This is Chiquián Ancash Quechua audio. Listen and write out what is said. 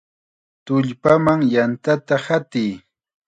¡Tullpaman yantata hatiy!